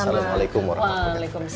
assalamualaikum warahmatullahi wabarakatuh